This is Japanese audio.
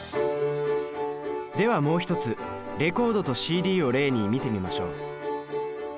ではもう一つレコードとＣＤを例に見てみましょう。